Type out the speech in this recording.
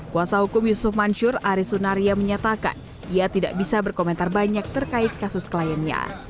kuasa hukum yusuf mansur aris sunaria menyatakan ia tidak bisa berkomentar banyak terkait kasus kliennya